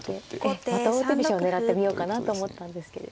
ええまた王手飛車を狙ってみようかなと思ったんですけれど。